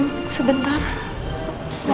ngobrol dengan anak saya ya